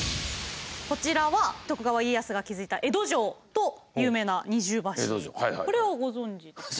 こちらは徳川家康が築いた江戸城と有名な二重橋これはご存じですよね。